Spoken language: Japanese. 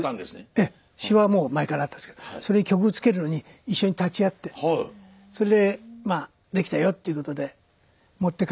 ええ詞はもう前からあったんですけどそれに曲をつけるのに一緒に立ち会ってそれでまあできたよっていうことで持って帰ったんですよね。